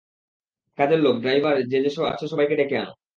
কাজের লোক, ড্রাইভার, যে যে আছে সবাইকে ডেকে আনো।